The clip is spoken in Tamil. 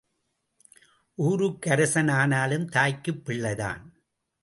ஊருக்கு அரசன் ஆனாலும் தாய்க்குப் பிள்ளைதான்.